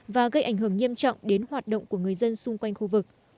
và gây ảnh hưởng nghiêm trọng đến hoạt động của người dân xung quanh khu vực